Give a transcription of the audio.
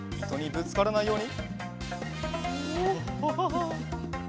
ぶつからないように。